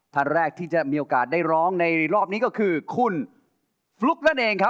ท่านแรกที่จะมีโอกาสได้ร้องในรอบนี้ก็คือคุณฟลุ๊กนั่นเองครับ